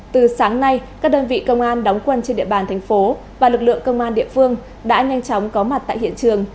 từ sáng nay các đơn vị công an đóng quân trên địa bàn thành phố và lực lượng công an địa phương đã nhanh chóng có mặt tại hiện trường